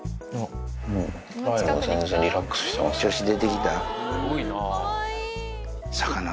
調子出てきた？